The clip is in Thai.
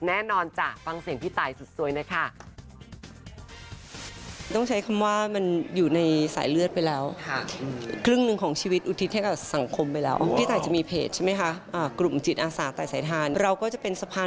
แน่นอนจ๊ะฟังเสียงพี่ตายสวยนะค่ะ